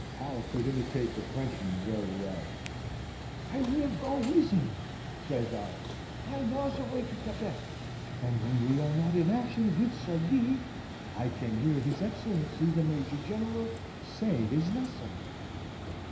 (Hal could imitate the Frenchman very well.) "'I will go weez heem,' says I. 'I know the way to Quebec, and when we are not in action with Sir Guy, I can hear his Excellency the Major General say his lesson.'